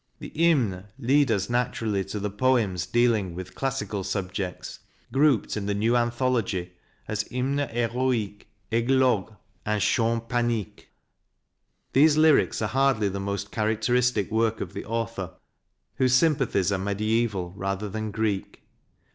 The " Hymnes " lead us naturally to the poems dealing with classical subjects, grouped in the new anthology as " Hymnes he"roi'ques," " Eglogues," and " Chants paniques." These lyrics are hardly the most characteristic work of the author, whose sympathies are mediaeval rather than Greek.